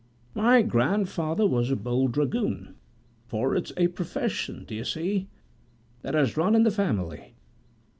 My grandfather was a bold dragoon, for it's a profession, d'ye see, that has run in the family.